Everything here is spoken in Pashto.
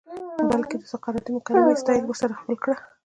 بلکه د سقراطی مکالمې سټائل ئې ورسره خپل کړۀ